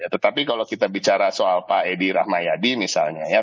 tetapi kalau kita bicara soal pak edi rahmayadi misalnya ya